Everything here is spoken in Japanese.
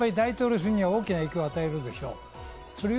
大統領選に大きな影響を与えるでしょう。